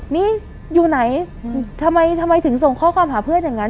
มีอยู่ไหนทำไมทำไมถึงส่งข้อความหาเพื่อนอย่างนั้น